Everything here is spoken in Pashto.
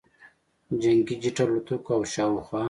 جنګي جټ الوتکو او شاوخوا